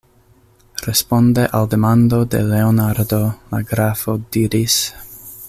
Responde al demando de Leonardo, la grafo diris: